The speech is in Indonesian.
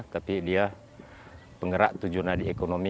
tapi dia penggerak tujuh nadi ekonomi